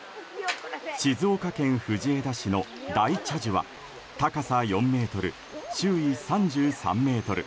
静岡県藤枝市の大茶樹は高さ４ｍ、周囲３３ｍ。